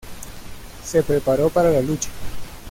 Se preparó para la lucha.